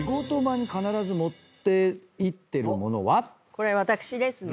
これ私ですね。